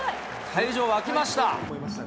会場沸きました。